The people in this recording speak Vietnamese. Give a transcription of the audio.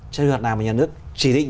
trường hợp nào mà nhà nước chỉ định